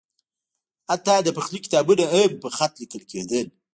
حتی د پخلي کتابونه هم په خط لیکل کېدل.